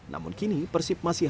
namun kini persib masih harus menang